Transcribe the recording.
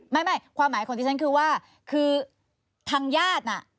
ไม่ความหมายของดิฉันคือว่าคือทางญาติน่ะ